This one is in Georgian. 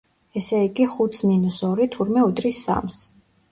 ესე იგი, ხუთს მინუს ორი, თურმე უდრის სამს.